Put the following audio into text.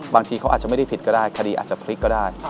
บางทีเขาอาจจะไม่ได้ผิดก็ได้คดีอาจจะพลิกก็ได้